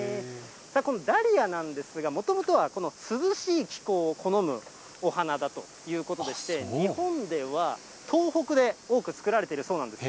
このダリアなんですが、もともとは涼しい気候を好むお花だということでして、日本では東北で多く作られているそうなんです。